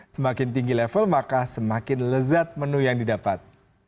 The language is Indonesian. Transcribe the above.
semakin tinggi level maka semakin lezat menu yang didapat